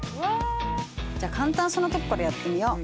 じゃあ簡単そうなとこからやってみよう。